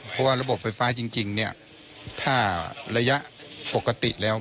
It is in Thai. เพราะว่าระบบไฟฟ้าจริงเนี่ยถ้าระยะปกติแล้ว